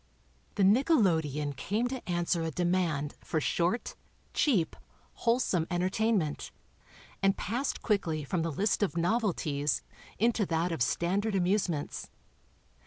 The nickelodeon came to answer a demand for short, cheap, wholesome entertainment, and passed quickly from the list of novelties into that of standard amusements.